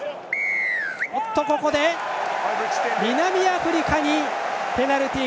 ここで南アフリカにペナルティー。